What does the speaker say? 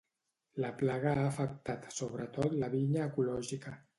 La plaga ha afectat sobretot la vinya ecològica.